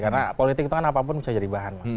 karena politik itu kan apapun bisa jadi bahan